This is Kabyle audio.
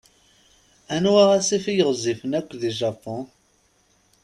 Anwa asif i yeɣezzifen yakk di Japun?